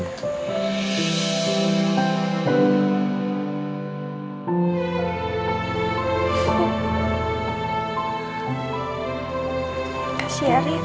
makasih ya rik